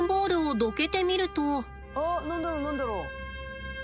あっ何だろう何だろう。